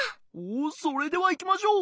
おおそれではいきましょう。